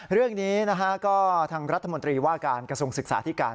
เรื่องนี้นะฮะก็ทางรัฐมนตรีว่าการกระทรวงศึกษาที่การ